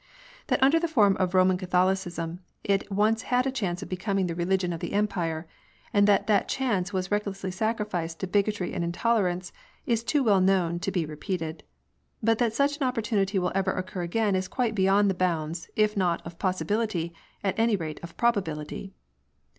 That under the form of Eoman Catholicism, it once had a chance of becom ing the religion of the Empire, and that that chance was recklessly sacrificed to bigotry and intolerance, is too well known to be repeated : but that such an opportunity will ever occur again is quite beyond the bounds, if not of possibility, at any rate of probability.